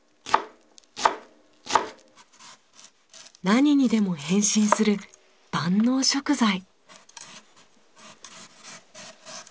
何にでも変身する万能食材。